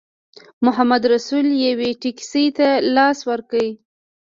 محمدرسول یوې ټیکسي ته لاس ورکړ.